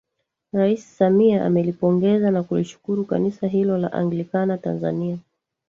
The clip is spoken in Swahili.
Rais Samia amelipongeza na kulishukuru Kanisa hilo la Anglikana Tanzania